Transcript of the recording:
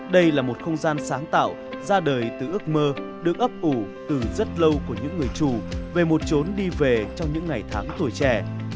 đây là một không gian sáng tạo ra đời từ ước mơ được ấp ủ từ rất lâu của những người trù về một trốn đi về trong những ngày tháng tuổi trẻ